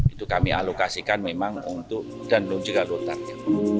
itu kami alokasikan memang untuk dan juga lontarnya